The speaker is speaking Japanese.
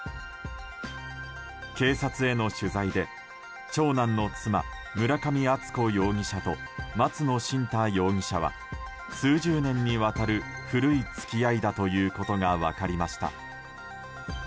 警察への取材で長男の妻・村上敦子容疑者と松野新太容疑者は数十年にわたる古い付き合いだということが分かりました。